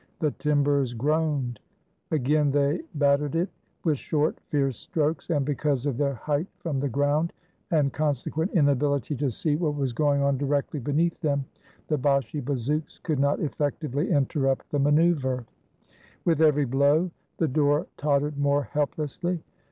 The timbers groaned. Again they bat tered it, with short, fierce strokes, and because of their height from the ground, and consequent inability to see 429 THE BALKAN STATES what was going on directly beneath them, the Bashi bazouks could not effectively interrupt the maneuver. With every blow, the door tottered more helplessly.